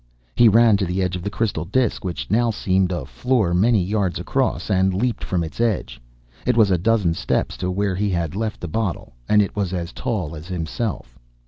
He ran to the edge of the crystal disk, which now seemed a floor many yards across, and leaped from its edge. It was a dozen steps to where he had left the bottle. And it was as tall as himself!